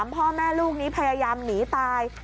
พ่อแม่ลูกนี้พยายามหนีตาย